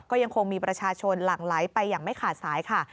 ก็ยังคงมีประชาชนหลั่งไหลไปอย่างไม่ขาดสายค่ะ